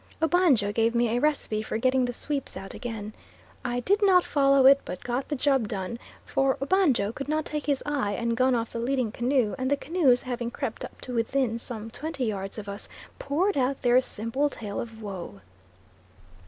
Obanjo gave me a recipe for getting the sweeps out again. I did not follow it, but got the job done, for Obanjo could not take his eye and gun off the leading canoe and the canoes having crept up to within some twenty yards of us, poured out their simple tale of woe.